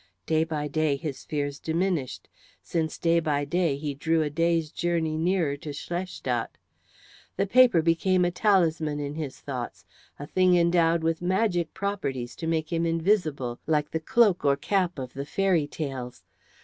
Day by day his fears diminished, since day by day he drew a day's journey nearer to Schlestadt. The paper became a talisman in his thoughts, a thing endowed with magic properties to make him invisible like the cloak or cap of the fairy tales.